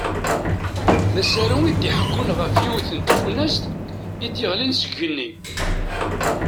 D asaru i d-iḥekkun ɣef yiwet n tfunast i d-yeɣlin seg igenni.